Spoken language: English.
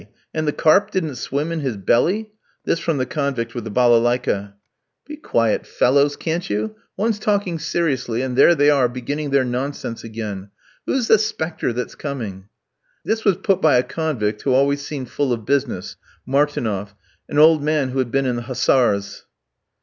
And the carp didn't swim in his belly?" this from the convict with the balalaïka. "Be quiet, fellows, can't you one's talking seriously, and there they are beginning their nonsense again. Who's the 'spector that's coming?" This was put by a convict who always seemed full of business, Martinof, an old man who had been in the Hussars.